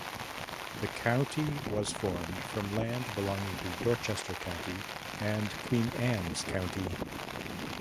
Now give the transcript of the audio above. The county was formed from land belonging to Dorchester County and Queen Anne's County.